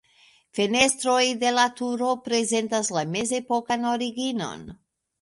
Fenestroj de la turo prezentas la mezepokan originon.